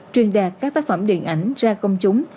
truyền đạt các tác phẩm điện ảnh ra công chúng